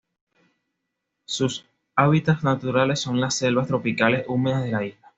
Sus hábitats naturales son las selvas tropicales húmedas de la isla.